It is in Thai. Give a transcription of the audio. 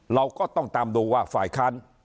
เราก็ต้องตามดูว่าฝ่ายค้าน